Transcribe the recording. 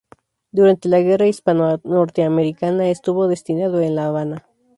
Durante la guerra hispano-norteamericana, estuvo destinado en La Habana.